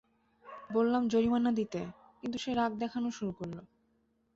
বললাম জরিমানা দিতে, কিন্তু সে রাগ দেখানো শুরু করল।